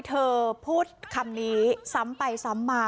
เธอพูดคำนี้ซ้ำไปซ้ำมา